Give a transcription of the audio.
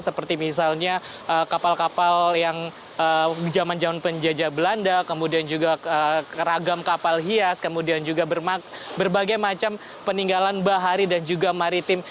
seperti misalnya kapal kapal yang zaman zaman penjajah belanda kemudian juga ragam kapal hias kemudian juga berbagai macam peninggalan bahari dan juga maritim